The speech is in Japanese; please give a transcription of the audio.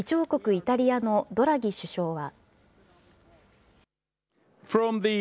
イタリアのドラギ首相は。